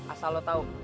asal lo tau